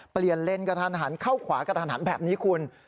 เปลี่ยนเลนส์กระทันหันเข้าขวากระทันหันแบบนี้คุณ